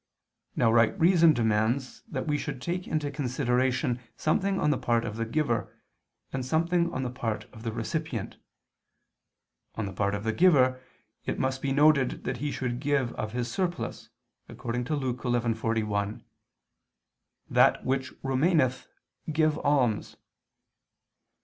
Now right reason demands that we should take into consideration something on the part of the giver, and something on the part of the recipient. On the part of the giver, it must be noted that he should give of his surplus, according to Luke 11:41: "That which remaineth, give alms."